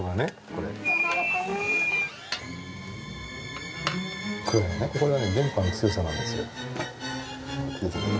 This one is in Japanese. これがね、ここが電波の強さなんですよ。